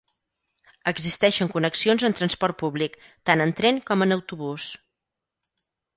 Existeixen connexions en transport públic, tant en tren com en autobús.